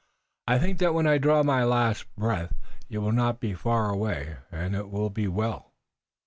I think that when I draw my last breath you will not be far away and it will be well.